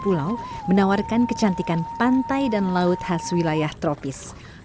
dua puluh tujuh pulau menawarkan kecantikan pantai dan laut khas wilayah tropis